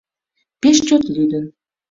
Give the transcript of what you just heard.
Пеш чот лӱдын.